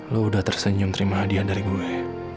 lo udah tersenyum terima hadiah dari gue